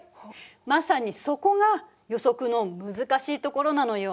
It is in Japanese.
まさにそこが予測の難しいところなのよ。